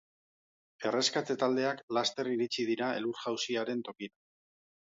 Erreskate taldeak laster iritsi dira elur-jausiaren tokira.